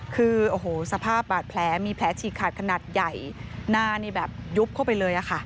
คือโอ้โหสภาพบาดแผลมีแผลฉีกขาดขนาดใหญ่หน้านี่แบบยุบเข้าไปเลยค่ะ